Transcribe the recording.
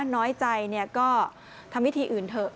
น้อยใจก็ทำวิธีอื่นเถอะ